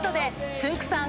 つんく♂さん